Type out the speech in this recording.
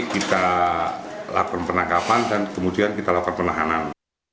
kita lakukan penangkapan dan kemudian kita lakukan penahanan